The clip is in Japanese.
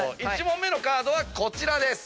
１問目のカードはこちらです。